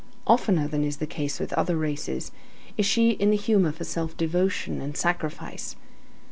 Oftener than is the case with other races, is she in the humor for self devotion and sacrifice.